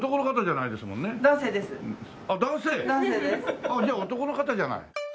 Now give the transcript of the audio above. じゃあ男の方じゃない。